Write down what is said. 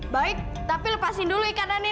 baik tapi lepasin dulu ikatan ini